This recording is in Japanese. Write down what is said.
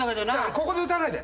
ここで歌わないで。